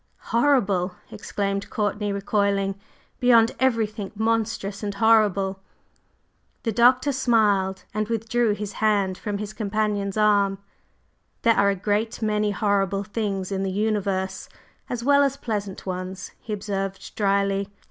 "Horrible!" exclaimed Courtney, recoiling. "Beyond everything monstrous and horrible!" The Doctor smiled and withdrew his hand from his companion's arm. "There are a great many horrible things in the universe as well as pleasant ones," he observed dryly.